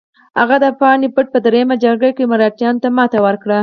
هغه د پاني پت په دریمه جګړه کې مراتیانو ته ماتې ورکړه.